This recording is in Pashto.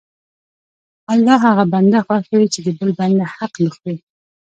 الله هغه بنده خوښوي چې د بل بنده حق نه خوري.